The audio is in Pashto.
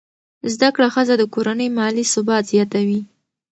زده کړه ښځه د کورنۍ مالي ثبات زیاتوي.